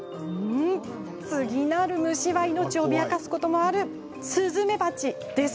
次なる虫は命を脅かすことがあるスズメバチです。